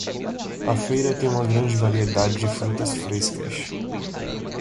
A feira tem uma grande variedade de frutas frescas.